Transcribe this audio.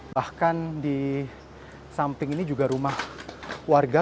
bahkan di samping ini juga rumah warga